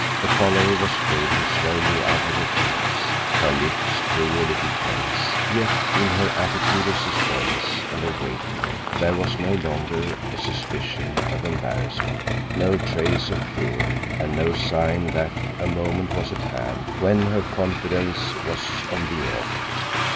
The color was fading slowly out of her cheeks; her lips grew a little tense, yet in her attitude of suspense and of waiting there was no longer a suspicion of embarrassment, no trace of fear, and no sign that a moment was at hand when her confidence was on the ebb.